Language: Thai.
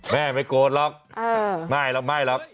ไม่โกรธหรอกไม่หรอกไม่หรอก